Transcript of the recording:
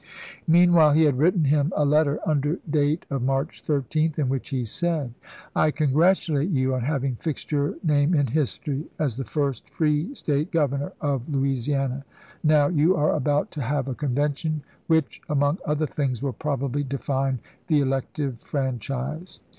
Meanwhile he had written him a letter, under date of March 13th, in which he said :" I congi atulate you on having fixed your name in history as the first free State governor of Louisi ana. Now you are about to have a Convention, which, among other things, will probably define the elective franchise.